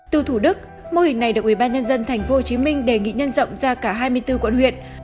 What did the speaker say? từ thủ đức mô hình này được ubnd tp hcm đề nghị nhân rộng ra cả hai mươi bốn quận huyện